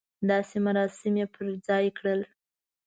داسې مراسم یې پر ځای کړل.